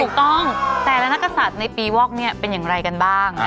ถูกต้องแต่ละนักกษัตริย์ในปีวอกนี้เป็นอย่างไรกันบ้าง